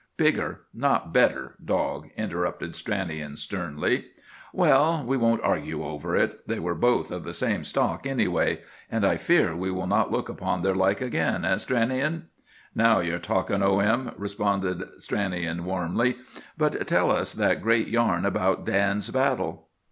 "Bigger, not better, dog," interrupted Stranion sternly. "Well, we won't argue over it. They were both of the same stock, anyway; and I fear we will not look upon their like again, eh, Stranion?" "Now you are talking, O. M.," responded Stranion warmly. "But tell us that great yarn about Dan's battle!"